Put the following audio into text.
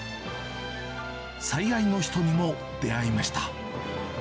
最愛の人にも出会いました。